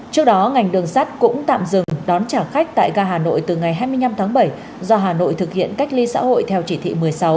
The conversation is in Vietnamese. trước đó ngành đường sắt cũng tạm dừng đón trả khách tại ga hà nội từ ngày hai mươi năm tháng bảy do hà nội thực hiện cách ly xã hội theo chỉ thị một mươi sáu